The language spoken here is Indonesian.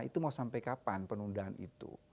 itu mau sampai kapan penundaan itu